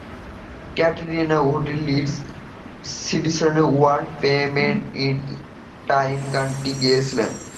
Katrina Whitney হিউস্টনের "one moment in time" গানটি গেয়েছিলেন।